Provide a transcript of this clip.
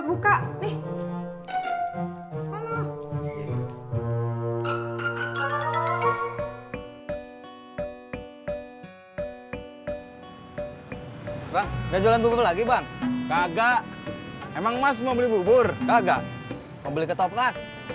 udah jalan bubur lagi bang kagak emang emas mau beli bubur kagak mau beli ketoprak